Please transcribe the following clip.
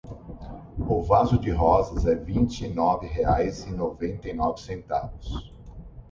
O vaso de rosas é vinte e nove reais e noventa e nove centavos.